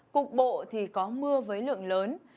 cục bộ thì có mưa với lượng lớn